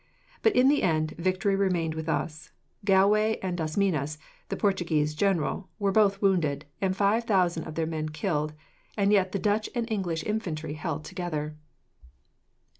But, in the end, victory remained with us. Galway and Das Minas, the Portuguese general, were both wounded, and five thousand of their men killed, and yet the Dutch and English infantry held together.